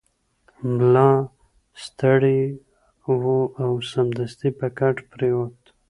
ملا ستړی و او سمدستي په کټ پریوت.